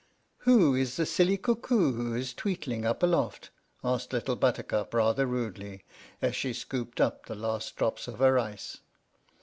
" Who is the silly cuckoo who is tweetling up aloft?" asked Little Buttercup, rather rudely, as she scooped up the last drops of her ice.